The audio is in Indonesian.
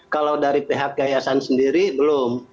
kalau dari pihak yayasan sendiri belum